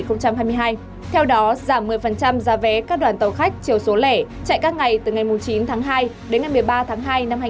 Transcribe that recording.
theo đó giảm một mươi giá vé các đoàn tàu khách chiều số lẻ chạy các ngày từ ngày chín tháng hai đến ngày một mươi ba tháng hai năm hai nghìn hai mươi